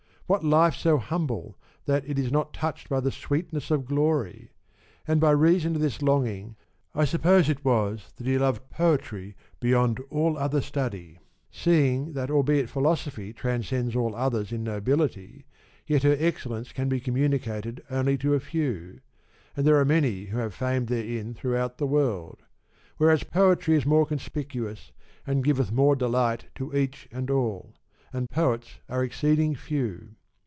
What life so humble that it is not touched by the sweetness of glory ? And by reason of this longing I suppose it was that he loved poetry beyond all other study, seeing that albeit philosophy transcends all others in nobility^ yet her excellence can be communicated only to a few, and there are many who have fame therein throughout the world ; whereas poetry is more conspicuous and giveth more delight to each and all, and poets are ex ceeding few.